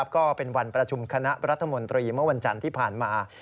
ก็เป็นวันประชุมคณะรัฐมนตรีเมื่อวันจันทร์ที่ผ่านมา